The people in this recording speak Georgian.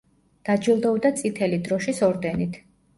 დაჯილდოვდა წითელი დროშის ორდენით.